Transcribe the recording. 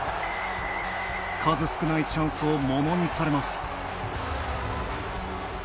数少ないチャンスをものにされます。